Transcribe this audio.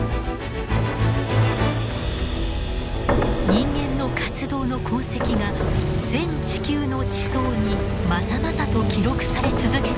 人間の活動の痕跡が全地球の地層にまざまざと記録され続けているこの時代。